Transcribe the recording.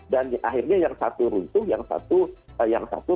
dan akhirnya yang satu runtuh yang satu